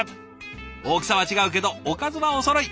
大きさは違うけどおかずはおそろい。